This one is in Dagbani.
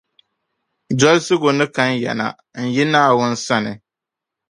Dolisigu ni kan ya na n yi Naawuni sani